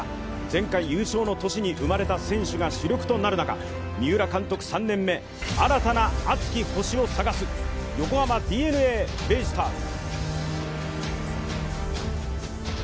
前回優勝の年に生まれた選手が主力となる中、三浦監督３年目新たな熱き星を探す横浜ＤｅＮＡベイスターズ。